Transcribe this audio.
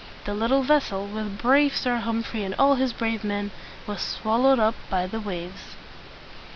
The little vessel, with brave Sir Humphrey and all his brave men, was swal lowed up by the waves.